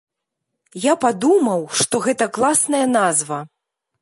Я падумаў, што гэта класная назва.